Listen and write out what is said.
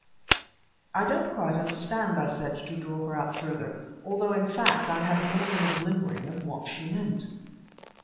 "I don't quite understand," I said, to draw her out further, although, in fact, I had more than a glimmering of what she meant.